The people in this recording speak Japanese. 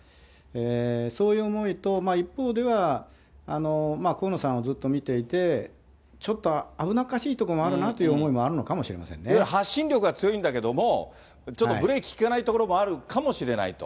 そういう思いと一方では、河野さんをずっと見ていて、ちょっと危なっかしいところもあるなという思いもあるのかもしれ発信力が強いんだけれども、ちょっとブレーキ利かないところもあるかもしれないと。